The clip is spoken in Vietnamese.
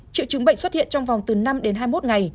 triệu chứng bệnh xuất hiện trong vòng từ năm đến hai mươi một ngày